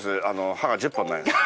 歯が１０本ないです。